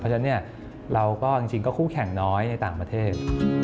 เพราะฉะนั้นเราก็จริงก็คู่แข่งน้อยในต่างประเทศ